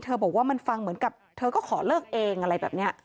บอกว่ามันฟังเหมือนกับเธอก็ขอเลิกเองอะไรแบบนี้